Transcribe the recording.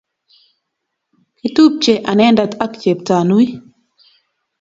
Kiptupche anendet ak Jeptanui